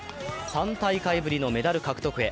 ３大会ぶりのメダル獲得へ。